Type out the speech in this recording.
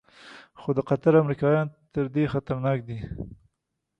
خو د قطر امریکایان تر دې خطرناک دي.